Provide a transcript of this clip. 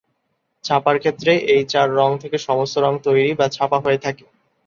ছাপার ক্ষেত্রে এই চার রং থেকে সমস্ত রং তৈরি বা ছাপা হয়ে থাকে।